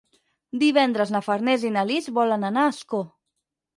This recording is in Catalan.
Divendres na Farners i na Lis volen anar a Ascó.